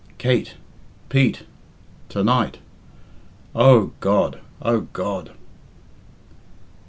Kate! Pete! To night! Oh, God! oh, God!